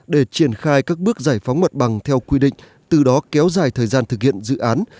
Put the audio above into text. để triển khai các bước giải phóng mặt bằng theo quy định từ đó kéo dài thời gian thực hiện dự án